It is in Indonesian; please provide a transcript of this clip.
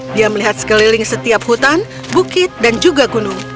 dia melihat sekeliling setiap hutan bukit dan juga gunung